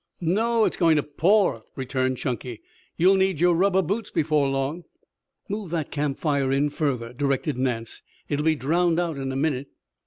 "No, it's going to pour," returned Chunky. "You'll need your rubber boots before long." "Move that camp fire in further," directed Nance. "It'll be drowned out in a minute."